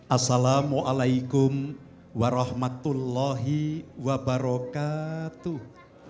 assalamualaikum warahmatullahi wabarakatuh